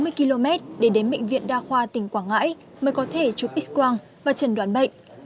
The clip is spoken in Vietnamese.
tám mươi km để đến bệnh viện đa khoa tỉnh quảng ngãi mới có thể chụp x quang và trần đoán bệnh